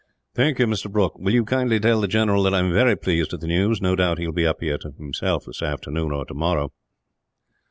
"Thank you, Mr. Brooke. Will you kindly tell the general that I am very pleased at the news? No doubt he will be up here, himself, this afternoon or tomorrow."